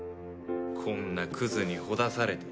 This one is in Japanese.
こんなクズにほだされて。